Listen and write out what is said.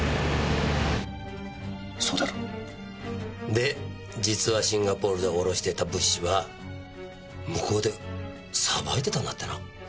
そうだろ？で実はシンガポールで降ろしてた物資は向こうでさばいてたんだってな。